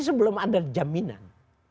sebelum ada jaminan